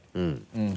うん。